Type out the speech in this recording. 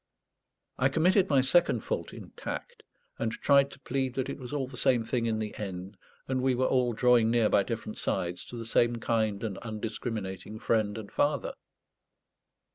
I committed my second fault in tact, and tried to plead that it was all the same thing in the end, and we were all drawing near by different sides to the same kind and undiscriminating Friend and Father.